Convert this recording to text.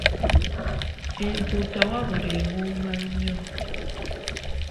Empuuta wabula ewooma nnyo!